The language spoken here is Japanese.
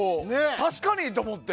確かにと思って。